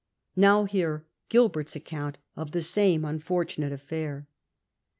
Now hear Gilbert's account of the same unfortunate affair.